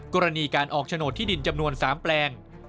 กรณีการออกโฉนดที่ดินจำนวน๓แปลง